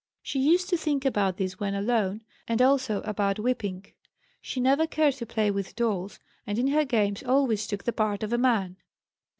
She used to think about this when alone, and also about whipping. She never cared to play with dolls, and in her games always took the part of a man.